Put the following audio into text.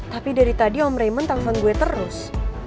tapi dari tadi om raymond telfon gue terus